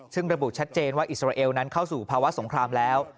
ซึ่งระบุชัดเจนว่าอิสราเอลนั้นเข้าสู่ภาวะสงครามแล้ว